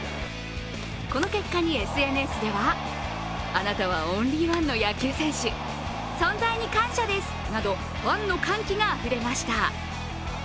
この結果にＳＮＳでは、あなたはオンリーワンの野球選手、存在に感謝ですなどファンの歓喜があふれました。